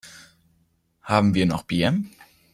Haben wir noch Bier?